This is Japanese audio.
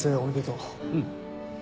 うん。